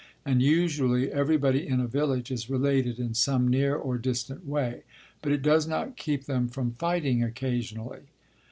And usually everybody in a village is related in some near or distant way; but it does not keep them from fighting occasionally.